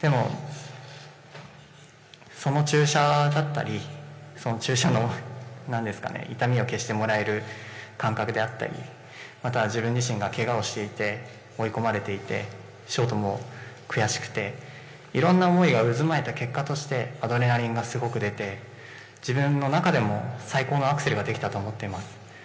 でもその注射だったりその注射の痛みを消してもらえる感覚であったり、また自分自身がけがをしていて追い込まれていてショートも悔しくていろんな思いが渦巻いて、結果としてアドレナリンがすごく出て自分の中でも最高のアクセルができたと思っています。